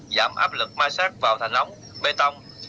giảm áp lực ma sát vào thành ống bê tông